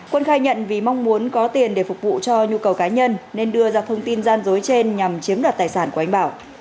quân khai nhận vì mong muốn có tiền để phục vụ cho nhu cầu cá nhân nên đưa ra thông tin gian dối trên nhằm chiếm đoạt tài sản của anh bảo